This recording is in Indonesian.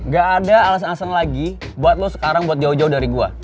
gak ada alasan alasan lagi buat lo sekarang buat jauh jauh dari gua